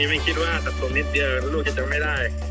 ไม่คิดว่าตัดผมนิดเดียวลูกจะจำไม่ได้